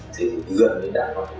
thì gần đến đảng bản thủ